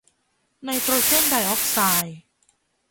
ไนโตรเจนไดออกไซด์